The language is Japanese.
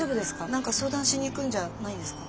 何か相談しに行くんじゃないんですか？